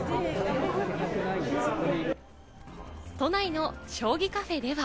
都内の将棋カフェでは。